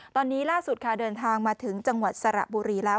ตอนนี้ล่าสุดค่ะเดินทางมาถึงจังหวัดสระบุรีแล้ว